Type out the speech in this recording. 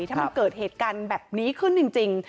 ถ้ามันเกิดเหตุการณ์แบบนี้ขึ้นจริง